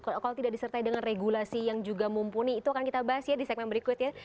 kalau tidak disertai dengan regulasi yang juga mumpuni itu akan kita bahas ya di segmen berikutnya